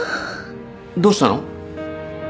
どうしたの？